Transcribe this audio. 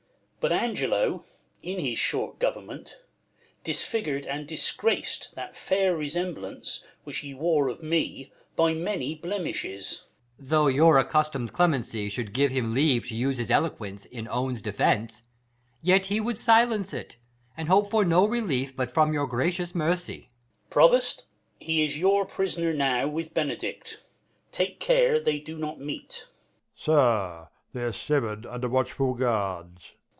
But Angelo, in his short government, Disfigur'd and disgrac'd that fair Resemblance which he wore of me By many blemishes. ESCH. Though your accustom'd clemency should give Him leave to use his elocpience in's own Defence, yet he would silence it, and hope For no relief but from your gracious mercy. Duke. Provost, he is your prisn'er now With Benedick. Take care they do not meet. Prov. Sir, they are sever'd under watchful guards.